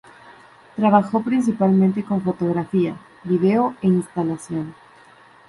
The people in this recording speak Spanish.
Trabajó principalmente con fotografía, video e instalación.